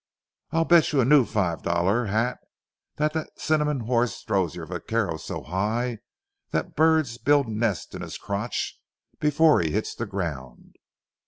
"I'll bet you a new five dollar hat that that cinnamon horse throws your vaquero so high that the birds build nests in his crotch before he hits the ground."